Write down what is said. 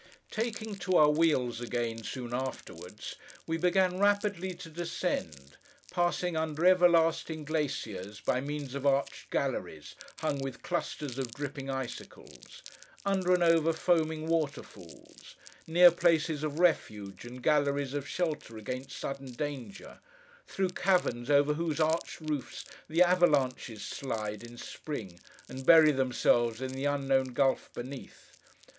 Taking to our wheels again, soon afterwards, we began rapidly to descend; passing under everlasting glaciers, by means of arched galleries, hung with clusters of dripping icicles; under and over foaming waterfalls; near places of refuge, and galleries of shelter against sudden danger; through caverns over whose arched roofs the avalanches slide, in spring, and bury themselves in the unknown gulf beneath.